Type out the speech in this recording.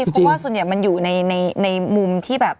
เพราะว่าส่วนใหญ่มันอยู่ในมุมที่แบบ